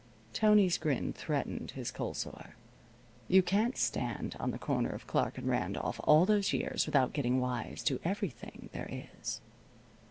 Tony's grin threatened his cold sore. You can't stand on the corner of Clark and Randolph all those years without getting wise to everything there is.